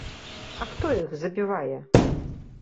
А хто іх забівае?